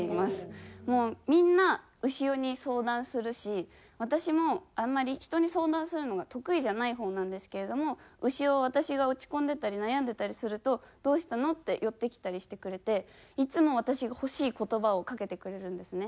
もうみんな潮に相談するし私もあんまり人に相談するのが得意じゃない方なんですけれども潮は私が落ち込んでたり悩んでたりすると「どうしたの？」って寄ってきたりしてくれていつも私が欲しい言葉をかけてくれるんですね。